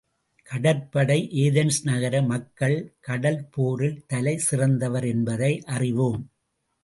கடற்படை ஏதென்ஸ் நகர மக்கள் கடற்போரில் தலை சிறந்தவர் என்பதை அறிவோம்.